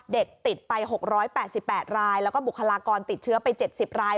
เด็กติดไป๖๘๘รายแล้วก็บุคลากรติดเชื้อไป๗๐ราย